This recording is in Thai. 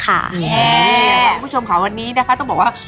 คุณผู้ชมค่ะวันนี้นะคะต้องบอกว่า